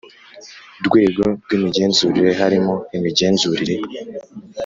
rwego rw imigenzurire harimo imigenzurire